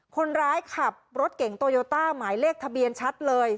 คนร้ายขับรถเก่งโตโยต้าหมายเลขทะเบียนชัดเลย